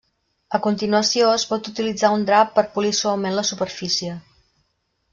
A continuació, es pot utilitzar un drap per polir suaument la superfície.